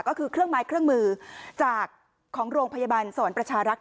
ก็คือเครื่องไม้เครื่องมือจากของโรงพยาบาลสวรรค์ประชารักษ์